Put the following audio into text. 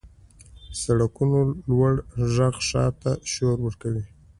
• د سړکونو لوړ ږغ ښار ته شور ورکوي.